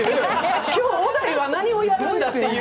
今日、小田井は何をやるんだ？っていう。